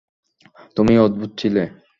তুমিও অদ্ভুত ছিলে।